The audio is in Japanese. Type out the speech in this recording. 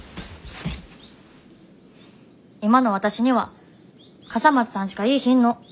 今のわたしには笠松さんしかいーひんの。